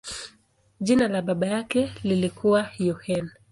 Jina la baba yake lilikuwa Yohane.